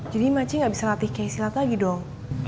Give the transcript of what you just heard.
jadi makcik enggak bisa latih kek silat lagi dong